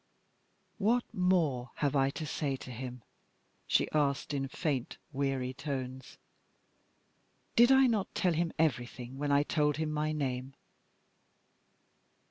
"What more have I to say to him?" she asked, in faint, weary tones. "Did I not tell him everything when I told him my name?"